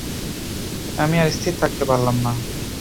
আমি আর স্থির থাকতে পারলাম না।